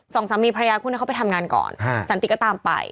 สองสามีภรรยาคู่นี้เขาไปทำงานก่อนสันติก็ตามไป